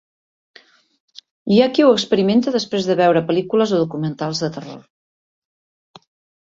Hi ha qui ho experimenta després de veure pel·lícules o documentals de terror.